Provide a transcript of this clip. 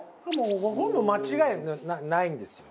ほとんど間違いないんですよ